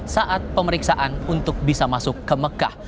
saat pemeriksaan untuk bisa masuk ke mekah